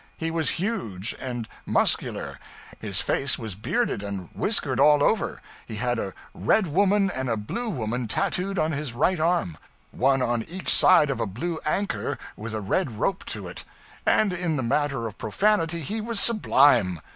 He was huge and muscular, his face was bearded and whiskered all over; he had a red woman and a blue woman tattooed on his right arm, one on each side of a blue anchor with a red rope to it; and in the matter of profanity he was sublime.